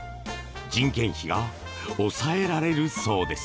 人件費が抑えられるそうです。